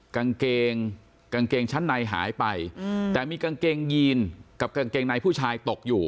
กางเกงกางเกงชั้นในหายไปแต่มีกางเกงยีนกับกางเกงในผู้ชายตกอยู่